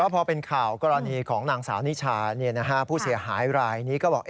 พอเป็นข่าวกรณีของนางสาวนิชาผู้เสียหายรายนี้ก็บอก